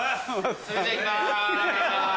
それじゃいきます。